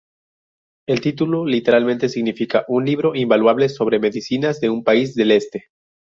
El título literalmente significa "un libro invaluable sobre medicinas de un país del este".